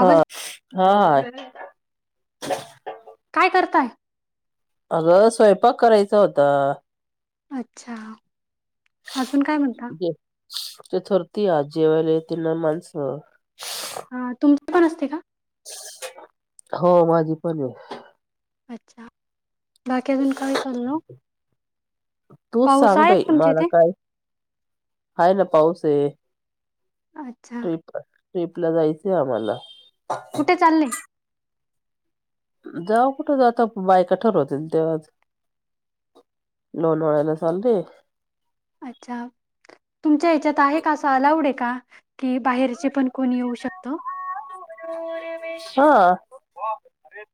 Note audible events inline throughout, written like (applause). हा हा काय करताय? अगं स्वयंपाक करायचा होता अच्छा अजून काय म्हणत जे ते थरती आ जेवायला तिना माणस अ तुमचे पण असते का हो माझी पण आहे अच्छा बाकी अजून काय लल तूच सांग भाई मला इथे? काय ह ना पाऊस आहे अच्छा ट्रिप ला जायचंय आम्हाला कुठे चालले जाव कुठं आता बाय कठोर होतील तेव्हा लोनवा्याला चाल र अच्छा तुमच्या हच्यात आहे का अस अलावड आहे का की बाहेरचे पण कोणी येऊ शकत हा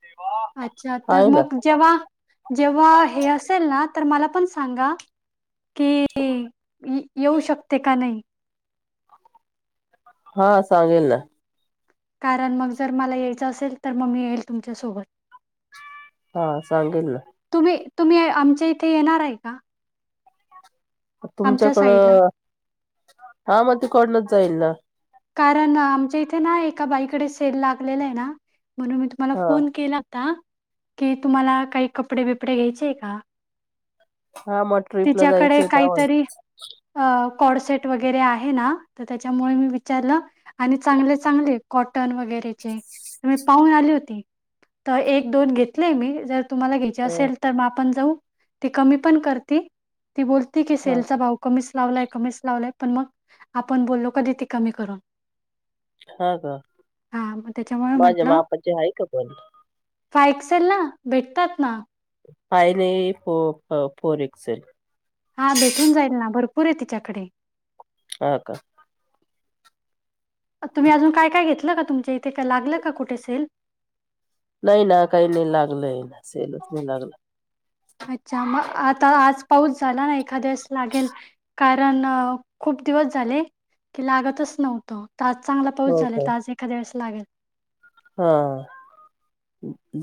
अच्छा तर आहे ना मग जेव्हा जेव्हा हे असेल ना तर मला पण सां सांगा की येऊ शकते का नाही हा सांगेल ना कारण मग जर मला यायचं असेल तर मग मी येईल तुमच्या सोबत हा सांगेल ना तुम्ही आमच्या इथे येणार आहे का आमच्या साईडला? तुमच्याकडं हा मग त कडनच जाईल ना कारण आमच्या इथे ना एका बाईकडे सेल लागलेला आहे ना म्हणून मी तुम्हाला हा फोन केलाता कि तुम्हाला काही कपडे बिपडे घ्यायचेय का हा मग ट्रिपला तिच्याकडे जायचंय तर आम्हाला काहीतरी अं कॉड सेट वगैरे आहे ना तर त्याच्यामुळे मी आणि चांगले चांगले कॉटन वगैरेचे म पाहून आली होती तर एक दोन घेतलेय मी ज तुम्हाला घ्याय हा, असेल तर मग आपण जाऊ ते कमी पण कर ती बोलती की हा. सेलचा भाव कमीच लावलाय कमीच लावलाय पण मग आपण बोललो कधी कमी करून हा का हा मग त्याच्यामुळे माझ्या म्हंटलं मापाचे आहे का पण फाय एक्सेल ना भेटतात ना फयन फोर एक्सेल हा भेटून जाईल ना भरपूर आहे तिच्याकडे हा का तुम्ही अजून काय काय घेतलं का तुमच्या इथे काय लागलं का कुठे सेल नाही ना काही नाही लागलंय ना सेलच नाही लागलं अच्छा मग आता आज पाऊस झाला ना एखाद्यास लागेल. कारण खूप दिवस झाले की लागतच नव्हतं. आज चांगला पाऊस हो झाला का त आज एखाद्या वळेस लागेल. हा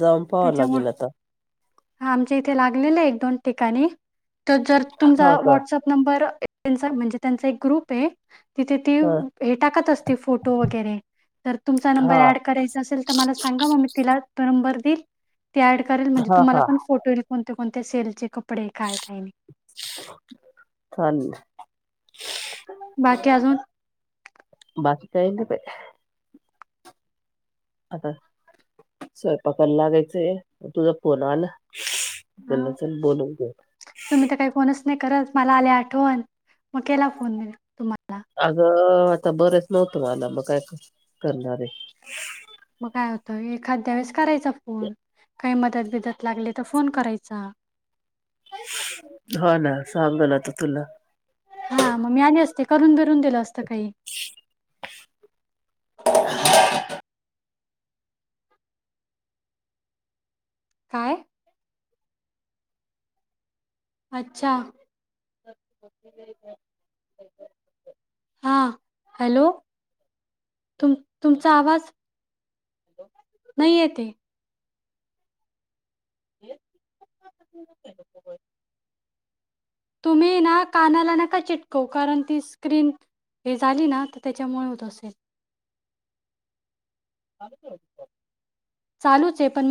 जाउन पाहावा त्याच्यामुळे लागेल आता. आमच्या इथे लागलेले एक दोन ठिकाणी त जर हा तुमचा का व्हॉट्सअप नंबर त्यांचा म्हणजे त्यांचा एक ग्रुपे तिथे ती हा हे टाकत असते फोटो वगैरे. जर तुमचा नंबर हा ऍड करायचा असेल त मला सांगा मग मी तिला तो नंबर देईल. ती ऍड करेल म्हणजे हा तुम्हाला हा पण फोटो येईलणते कोणत सेलचे कप कपडे काय कायनही. बोला बाकी काही नाही बाई. आता स्वयंपाकयला लागायचंय तुझ फोन आला. हा म्हणलं चल बोलून घेऊ तुम्ही त काही फोणच नाही करत मला आली आठवण म केला मी फोन तुम्हाला. अग आता बरंच नव्हतं मला मग काय करणारे. मग काय होतं एखाद्या वेळेस करायचा फोन काही मदत बिदत लागली तर फोन करायचा. (inaudible) हो ना सांगल अता तुला. हा म मी आली असते करून बिरून दिलं असत काही. काय? अच्छा. हा हॅलो. तुम तुमचा आवाज नाही येते. (inaudible) (unintelligible) तुम्ही ना कानाला नका चिटकवू. कारण ती स्क्रीन हे झाली ना त त्याच्यामुळ होत असेल. चालूचे आहे पण मग